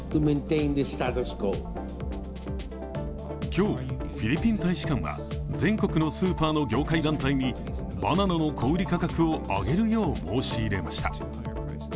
今日、フィリピン大使館は全国のスーパーの業界団体にバナナの小売価格を上げるよう申し入れました。